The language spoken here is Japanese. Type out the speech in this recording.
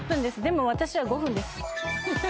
でも私は５分です。